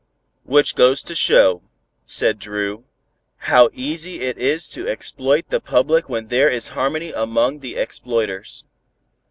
"Which goes to show," said Dru, "how easy it is to exploit the public when there is harmony among the exploiters.